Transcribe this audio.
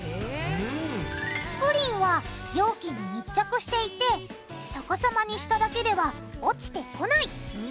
プリンは容器に密着していて逆さまにしただけでは落ちてこない。